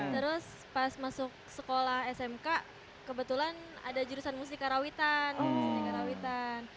terus pas masuk sekolah smk kebetulan ada jurusan musik karawitan